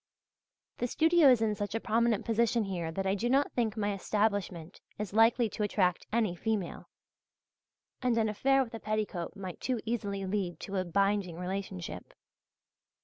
The studio is in such a prominent position here that I do not think my establishment is likely to attract any female; and an affair with a petticoat might too easily lead to a binding relationship.